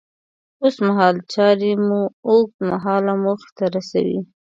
اوسمهال چارې مو اوږد مهاله موخې ته رسوي.